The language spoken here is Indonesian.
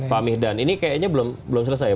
pak mihdan ini kayaknya belum selesai